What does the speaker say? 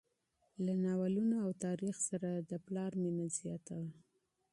له ناولونو او تاریخ سره د پلار مینه زیاته وه.